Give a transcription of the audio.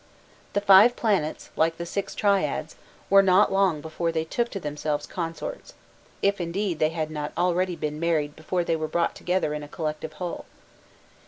The five planets, like the six triads, were not long before they took to themselves consorts, if indeed they had not already been married before they were brought together in a collective whole.